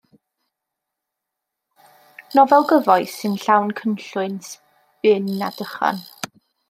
Nofel gyfoes sy'n llawn cynllwyn, sbin a dychan.